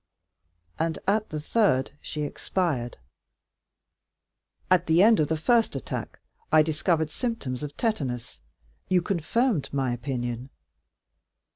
"And at the third she expired." "At the end of the first attack I discovered symptoms of tetanus; you confirmed my opinion."